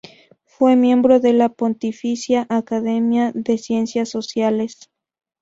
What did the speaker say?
Fue miembro de la Pontificia Academia de Ciencias Sociales.